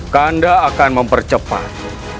kanda akan mempercepat